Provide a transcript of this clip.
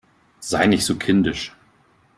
Sei nicht so kindisch!